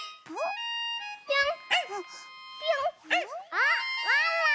あワンワン！